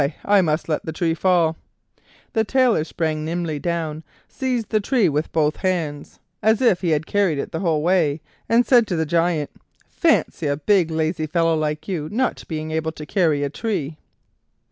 I must let the tree fall." The Tailor sprang nimbly down, seized the tree with both hands as if he had carried it the whole way, and said to the Giant: "Fancy a big lazy fellow like you not being able to carry a tree!"